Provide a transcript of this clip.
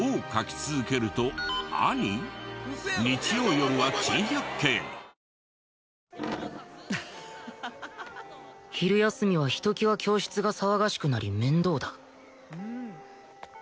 僕は頭がおかしい昼休みはひときわ教室が騒がしくなり面倒だ